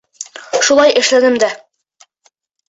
Шулай эшләнем дә.